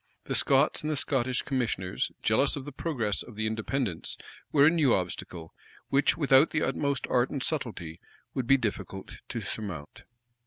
The Scots and the Scottish commissioners, jealous of the progress of the Independents, were a new obstacle, which, without the utmost art and subtlety, it would be difficult to surmount.